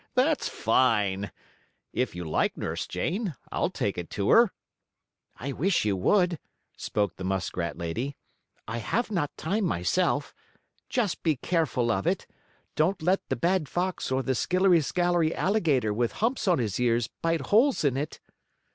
That's fine! If you like, Nurse Jane, I'll take it to her." "I wish you would," spoke the muskrat lady. "I have not time myself. Just be careful of it. Don't let the bad fox or the skillery scalery alligator with humps on his ears bite holes in it."